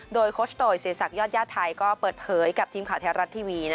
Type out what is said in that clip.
โดยโคชโดยเสียสักยอดย่าไทยก็เปิดเผยกับทีมขาวเท้ารัดทีวี